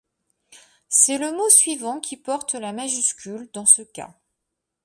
C'est le mot suivant qui porte la majuscule dans ce cas.